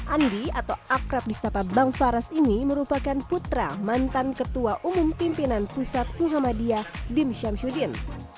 andi atau akrab disapa bang faraz ini merupakan putra mantan ketua umum pimpinan pusat muhammadiyah dimsyam syudin